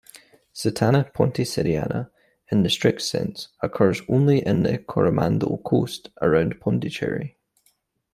"Sitana ponticeriana" in the strict sense occurs only in the Coromandel coast around Pondicherry.